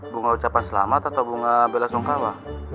bunga ucapan selamat atau bunga bela sungkawa